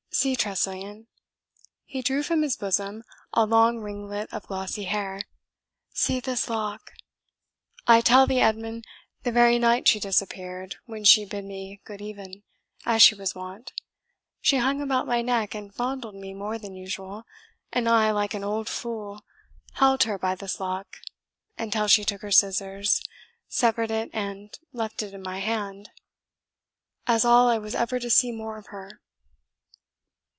See, Tressilian," he drew from his bosom a long ringlet of glossy hair, "see this lock! I tell thee, Edmund, the very night she disappeared, when she bid me good even, as she was wont, she hung about my neck, and fondled me more than usual; and I, like an old fool, held her by this lock, until she took her scissors, severed it, and left it in my hand as all I was ever to see more of her!"